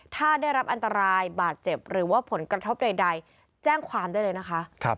ถ้าได้รับอันตรายบาดเจ็บหรือว่าผลกระทบใดแจ้งความได้เลยนะคะ